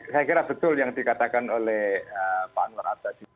saya kira betul yang dikatakan oleh pak nur abdadi